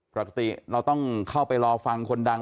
ปกติเราต้องเข้าไปรอฟังคนดัง